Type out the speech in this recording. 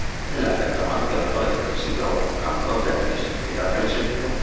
Nell'area davanti alla palestra si trova un campo da tennis e da calcetto.